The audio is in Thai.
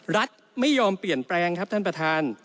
รัฐไม่ยอมเปลี่ยนแปลงครับท่านประธาน